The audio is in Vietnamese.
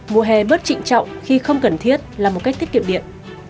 mùa hè bớt trịnh trọng khi không cần thiết là một cách tiết kiệm điện